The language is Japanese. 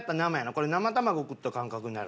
これ生卵食った感覚になるな。